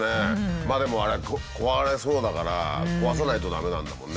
まあでもあれは壊れそうだから壊さないと駄目なんだもんね。